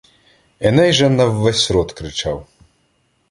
Еней же на ввесь рот кричав: